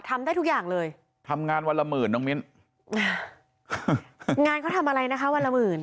ทำได้ทุกอย่างเลยทำงานวันละหมื่นน้องมิ้นงานเขาทำอะไรนะคะวันละหมื่น